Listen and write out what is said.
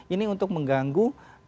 ini untuk mengganggu